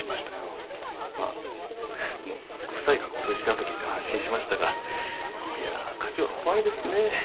まあご夫妻がご無事だと聞いて安心しましたがいやあ火事は怖いですね。